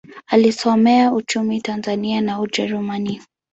Alisomea uchumi Tanzania na Ujerumani.